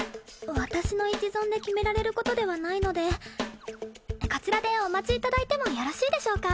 私の一存で決められることではないのでこちらでお待ちいただいてもよろしいでしょうか？